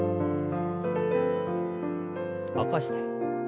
起こして。